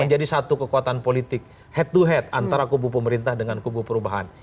menjadi satu kekuatan politik head to head antara kubu pemerintah dengan kubu perubahan